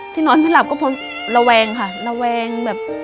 นอนไม่หลับก็เพราะระแวงค่ะระแวงแบบ